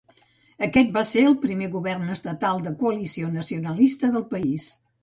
Aquest va ser el primer govern estatal de coalició nacionalista del país.